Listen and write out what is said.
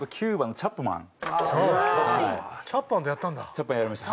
チャップマンとやりました。